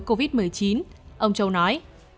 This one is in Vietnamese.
ông châu nói